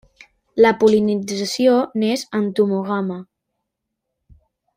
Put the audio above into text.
La pol·linització n'és entomògama.